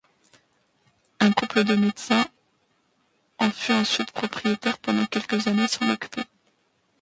Un couple de médecins en fut ensuite propriétaire pendant quelques années sans l'occuper.